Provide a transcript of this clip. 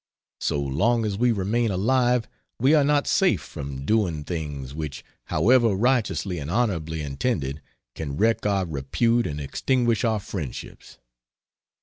So long as we remain alive we are not safe from doing things which, however righteously and honorably intended, can wreck our repute and extinguish our friendships.